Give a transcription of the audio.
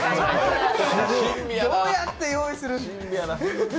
どうやって用意する？